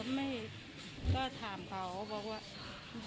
ไม่ก็ถามเขาบอกว่า